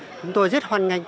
thì chúng tôi rất hoàn ngành